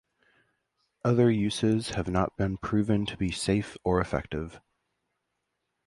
Other uses have not been proven to be safe or effective.